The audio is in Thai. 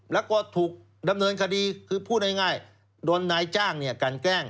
แล้วก็ถูกดำเนินคดีคือพูดง่ายโดนนายจ้างกันแกล้ง